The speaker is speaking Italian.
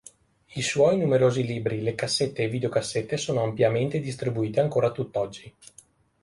I suoi numerosi libri, le cassette e videocassette sono ampiamente distribuite ancora tutt'oggi.